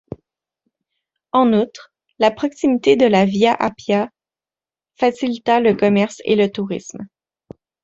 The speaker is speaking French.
En outre, la proximité de la via Appia facilita le commerce et le tourisme.